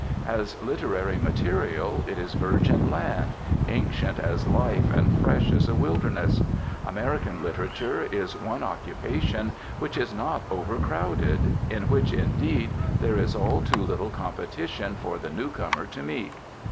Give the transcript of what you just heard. As literary material, it is virgin land, ancient as life and fresh as a wilderness. American literature is one occupation which is not over crowded, in which, indeed, there is all too little competition for the new comer to meet.